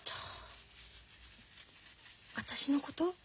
私のこと？